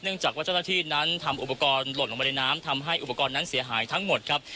จากว่าเจ้าหน้าที่นั้นทำอุปกรณ์หล่นลงไปในน้ำทำให้อุปกรณ์นั้นเสียหายทั้งหมดครับ